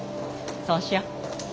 そうしよう。